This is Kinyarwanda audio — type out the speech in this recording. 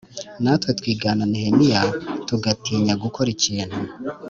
Natwe twigana Nehemiya tugatinya gukora ikintu